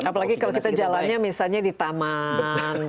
apalagi kalau kita jalannya misalnya di taman